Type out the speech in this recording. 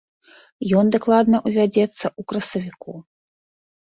Ён дакладна ўвядзецца ў красавіку.